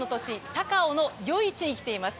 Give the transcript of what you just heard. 高雄の夜市に来ています。